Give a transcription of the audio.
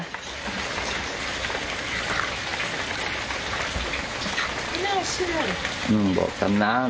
พร้อมทุกสิทธิ์